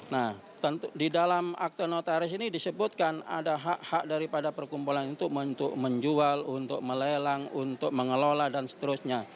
nah di dalam akte notaris ini disebutkan ada hak hak daripada perkumpulan itu untuk menjual untuk melelang untuk mengelola dan seterusnya